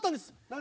何？